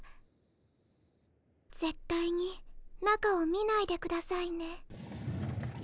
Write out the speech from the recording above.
ぜったいに中を見ないでくださいね。